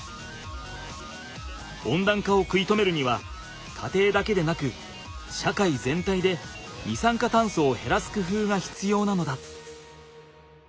温暖化を食い止めるには家庭だけでなく社会全体で二酸化炭素を減らすくふうがひつようなのだ。